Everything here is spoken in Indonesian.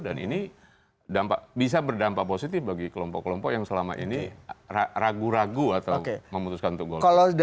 dan ini bisa berdampak positif bagi kelompok kelompok yang selama ini ragu ragu atau memutuskan untuk golput